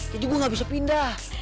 jadi gue gak bisa pindah